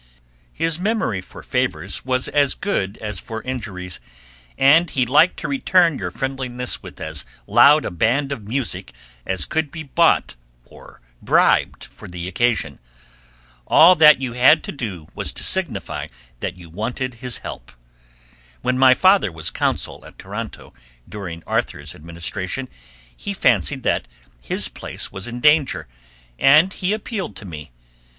His memory for favors was as good as for injuries, and he liked to return your friendliness with as loud a band of music as could be bought or bribed for the occasion. All that you had to do was to signify that you wanted his help. When my father was consul at Toronto during Arthur's administration, he fancied that his place was in danger, and he appealed to me.